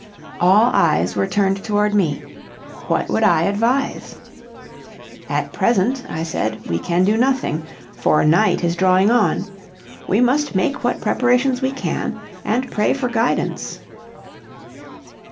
All eyes were turned toward me. What would I advise? "At present," I said, "we can do nothing, for night is drawing on. We must make what preparations we can, and pray for guidance."